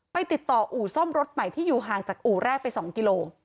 ไปติดต่ออู่ซ่อมรถใหม่ที่อยู่ห่างจากอู่แรกไป๒กิโล